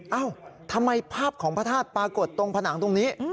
เอ้าทำไมภาพของพระธาตุปรากฏตรงผนังตรงนี้